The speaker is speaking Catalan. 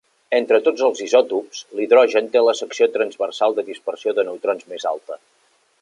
Entre tots els isòtops, l'hidrogen té la secció transversal de dispersió de neutrons més alta.